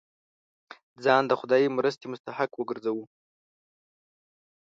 ځان د خدايي مرستې مستحق وګرځوو.